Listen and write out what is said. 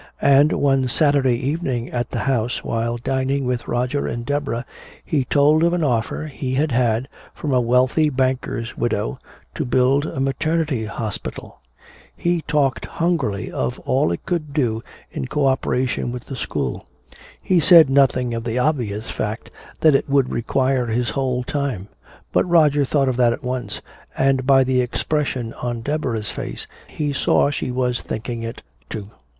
And one Saturday evening at the house, while dining with Roger and Deborah, he told of an offer he had had from a wealthy banker's widow to build a maternity hospital. He talked hungrily of all it could do in co operation with the school. He said nothing of the obvious fact that it would require his whole time, but Roger thought of that at once, and by the expression on Deborah's face he saw she was thinking, too.